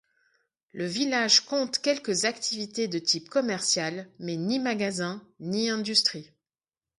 Le village compte quelques activités de type commercial mais ni magasin ni industrie.